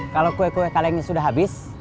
kalau kue kue kalengnya sudah habis